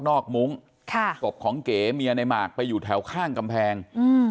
นอกมุ้งตบของเก๋เมียในมากไปอยู่แถวข้างกำแพง